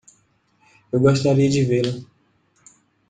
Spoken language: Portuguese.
Eu gostaria de vê-la.